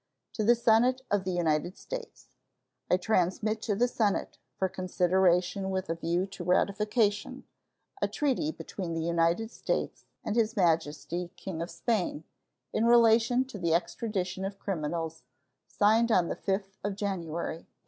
To the Senate of the United States: I transmit to the Senate, for consideration with a view to ratification, a treaty between the United States and His Majesty the King of Spain, in relation to the extradition of criminals, signed on the 5th of January, 1877.